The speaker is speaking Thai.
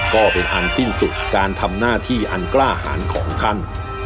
ก็เป็นอันสิ้นสุดการทำหน้าที่อันกล้าหารของท่าน